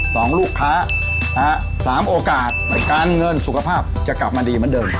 สองลูกค้านะฮะสามโอกาสการเงินสุขภาพจะกลับมาดีเหมือนเดิม